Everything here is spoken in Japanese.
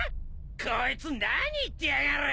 こいつ何言ってやがる！